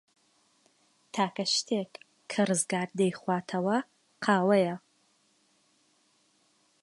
تاکە شتێک کە ڕزگار دەیخواتەوە، قاوەیە.